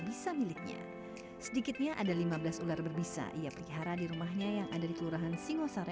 namun jika mendapat ular tidak berbisa biasanya ayub langsung melepas ke alam liar